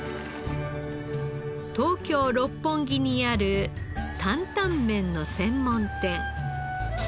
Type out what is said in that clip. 東京六本木にある担々麺の専門店。